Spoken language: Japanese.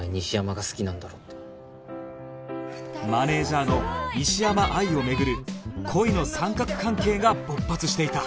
マネージャーの西山愛を巡る恋の三角関係が勃発していた